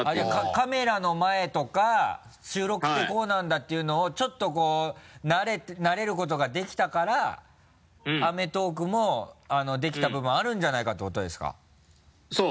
カメラの前とか収録ってこうなんだっていうのをちょっとこう慣れることができたから「アメトーーク！」もできた部分あるんじゃないかってことですかそう！